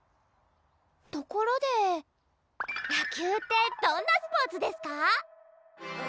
ところで野球ってどんなスポーツですか？